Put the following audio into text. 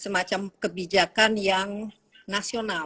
semacam kebijakan yang nasional